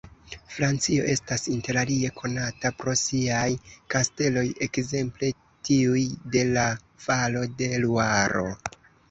Francio estas interalie konata pro siaj kasteloj, ekzemple tiuj de la valo de Luaro.